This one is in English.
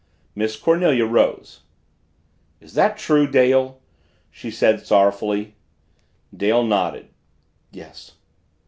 Miss Cornelia rose. "Is that true, Dale?" she said sorrowfully. Dale nodded. "Yes."